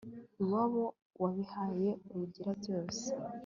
iwabo wabihaye rugira byose